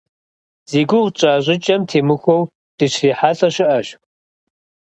Зи гугъу тщӏа щӏыкӏэм темыхуэу дыщрихьэлӏэ щыӏэщ.